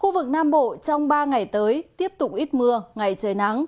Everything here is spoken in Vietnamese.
khu vực nam bộ trong ba ngày tới tiếp tục ít mưa ngày trời nắng